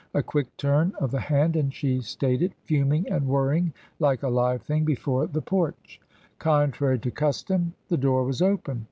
A quick turn of the hand and she stayed it, fuming and whirring like a live thing, before the porch. Contrary to custom, the door was open.